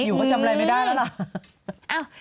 อยู่เขาจำอะไรไม่ได้แล้วล่ะ